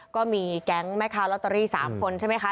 ก็มีแก๊งแม่ค้าลอตเตอรี่๓คนใช่ไหมคะ